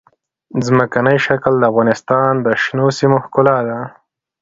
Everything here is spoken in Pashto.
ځمکنی شکل د افغانستان د شنو سیمو ښکلا ده.